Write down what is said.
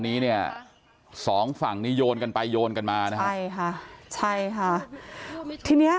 นี้เนี่ยสองฝั่งนี้โยนกันไปโยนกันมานะฮะใช่ค่ะใช่ค่ะทีเนี้ย